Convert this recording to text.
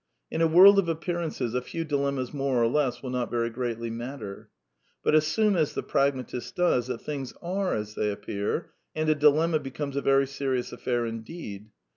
In a world of appearances a few dilemmas more or less will not very greatly matter. But assume, as the pragmatist does, that things are as they yf appear, and a dilemma becomes a very serious affair xnzX^ deed.